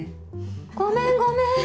・ごめんごめん